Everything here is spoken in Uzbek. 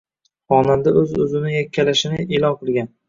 Xonanda o‘z o‘zini yakkalashini e’lon qilgan